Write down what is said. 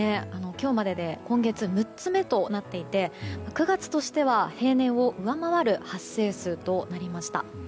今日までで今月６つ目となっていて９月としては、平年を上回る発生数となりました。